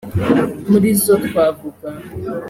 muri zo twavuga